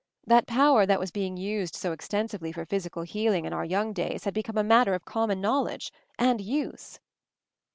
That power that was being used so extensively for physical heal ing in our young days had become a matter of common knowledge — and use."